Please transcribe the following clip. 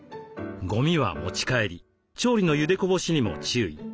ゴミは持ち帰り調理のゆでこぼしにも注意。